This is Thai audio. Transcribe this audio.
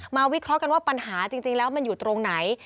วิเคราะห์กันว่าปัญหาจริงแล้วมันอยู่ตรงไหน